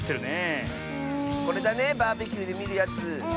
これだねバーベキューでみるやつ。